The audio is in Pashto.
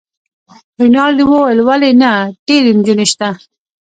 رینالډي وویل: ولي نه، ډیرې نجونې شته.